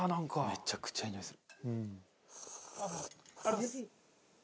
めちゃくちゃいいにおいする。